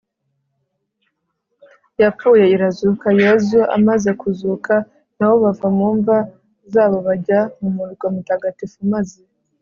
yapfuye irazuka. yezu amaze kuzuka nabo bava mu mva zabo bajya mu murwa mutagatifu maze